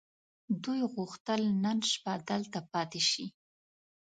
دوی غوښتل نن شپه دلته پاتې شي.